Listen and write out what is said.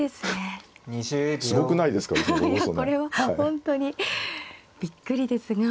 これは本当にびっくりですが。